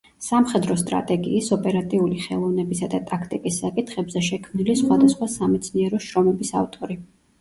სამხედრო სტრატეგიის, ოპერატიული ხელოვნებისა და ტაქტიკის საკითხებზე შექმნილი სხვადასხვა სამეცნიერო შრომების ავტორი.